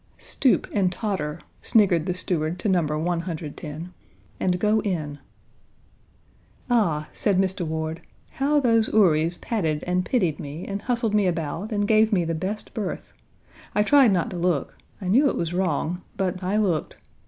"Stoop and totter," sniggered the steward to No. 110, "and go in." "Ah," said Mr. Ward, "how those houris patted and pitied me and hustled me about and gave me the best berth! I tried not to look; I knew it was wrong, but I looked.